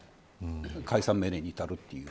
解散命令に至るという。